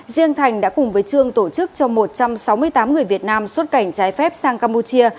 riêng thành đã cùng với trương tổ chức cho một trăm sáu mươi tám người việt nam xuất cảnh trái phép sang campuchia